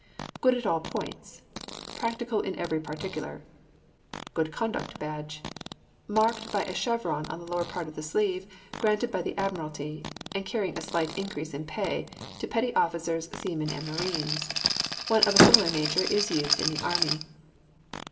GOOD AT ALL POINTS. Practical in every particular. GOOD CONDUCT BADGE. Marked by a chevron on the lower part of the sleeve, granted by the admiralty, and carrying a slight increase of pay, to petty officers, seamen, and marines. One of a similar nature is in use in the army.